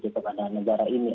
kepada negara ini